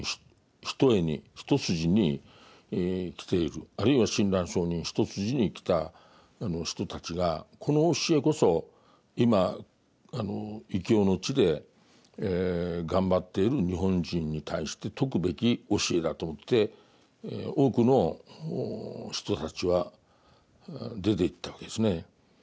ひとえに一筋に来ているあるいは親鸞聖人一筋に来た人たちがこの教えこそ今異郷の地で頑張っている日本人に対して説くべき教えだと思って多くの人たちは出ていったわけですね。